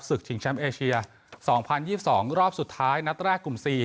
ชิงแชมป์เอเชีย๒๐๒๒รอบสุดท้ายนัดแรกกลุ่ม๔